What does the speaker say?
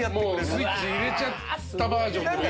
スイッチ入れちゃったバージョンも見る。